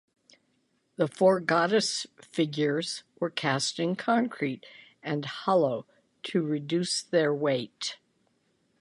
The four goddess figures were cast in concrete and hollow (to reduce their weight).